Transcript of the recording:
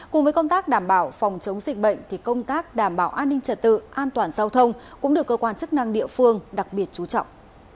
cùng với công tác đảm bảo phòng chống dịch bệnh thì công tác đảm bảo an ninh trật tự an toàn giao thông cũng được cơ quan chức năng địa phương đặc biệt chú trọng